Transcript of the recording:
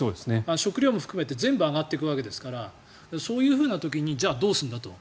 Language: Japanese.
食料も含めて全部上がっていくわけですからそういう時にじゃあどうするんだと。